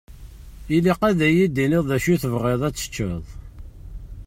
Ilaq ad yi-d-tiniḍ d acu i tebɣiḍ ad teččeḍ.